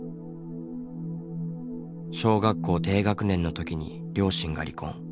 小学校低学年のときに両親が離婚。